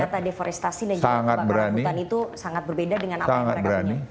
data deforestasi dan juga kebakaran hutan itu sangat berbeda dengan apa yang mereka punya